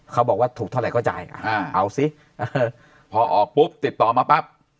เขาบอกว่าถูกเท่าไหร่ก็จ่ายเอาสิพอออกปุ๊บติดต่อมาปั๊บ